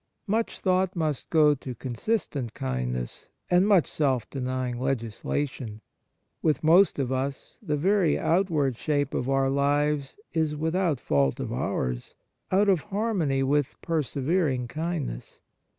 Much thought must go to consistent kindness, and much self denying legislation. With most of us the very outward shape of our lives is, without fault of ours, out of harmony with persevering kindness.